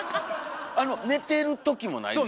あの寝てる時もないですか？